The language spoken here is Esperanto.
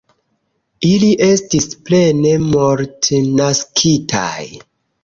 Ili estis plene mortnaskitaj.